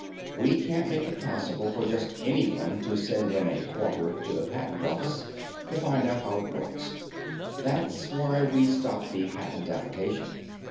We can't make it possible for just anyone to send in a quarter to the Patent Office to find out how it works. That's why we stopped the patent application.